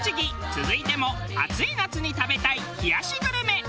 続いても暑い夏に食べたい冷やしグルメ。